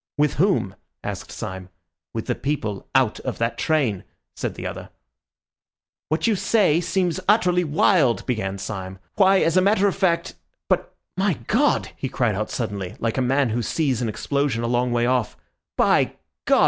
"With whom?" asked Syme. "With the people out of that train," said the other. "What you say seems utterly wild," began Syme. "Why, as a matter of fact—But, my God," he cried out suddenly, like a man who sees an explosion a long way off, "by God!